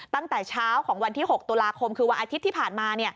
ตั้งแต่เช้าของวันที่๖ตุลาคมคือวันอาทิตย์ที่ผ่านมา